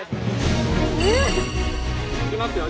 いきますよ